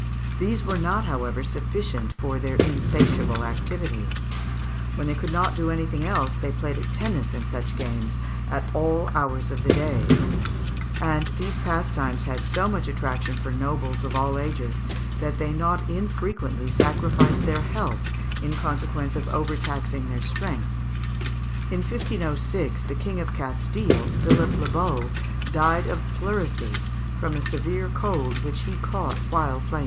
These were not, however, sufficient for their insatiable activity; when they could not do anything else, they played at tennis and such games at all hours of the day; and these pastimes had so much attraction for nobles of all ages that they not unfrequently sacrificed their health in consequence of overtaxing their strength. In 1506 the King of Castile, Philippe le Beau, died of pleurisy, from a severe cold which he caught while playing tennis.